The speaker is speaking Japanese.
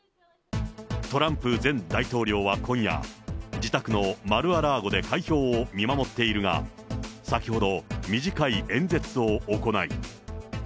トランプ前大統領は今夜、自宅のマル・ア・ラーゴで開票を見守っているが、先ほど、短い演説を行い。